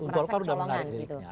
golkar udah menarik dirinya